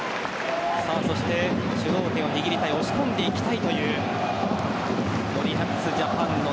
主導権を握りたい押し込んでいきたいという森保ジャパン。